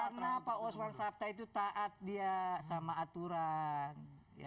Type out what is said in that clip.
karena pak osman sabta itu taat dia sama aturan